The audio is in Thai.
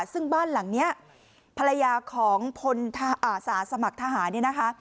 ซึ่งบ้านหลังนี้ภรรยาของพลอาสาสมัครทหารเนี่ยนะคะ